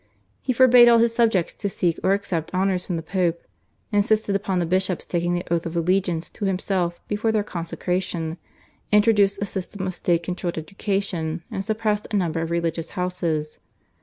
He forbade all his subjects to seek or accept honours from the Pope, insisted upon the bishops taking the oath of allegiance to himself before their consecration, introduced a system of state controlled education, and suppressed a number of religious houses.